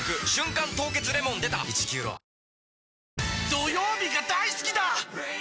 土曜日が大好きだー！